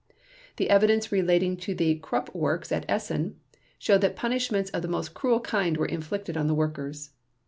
The evidence relating to the Krupp Works at Essen showed that punishments of the most cruel kind were inflicted on the workers.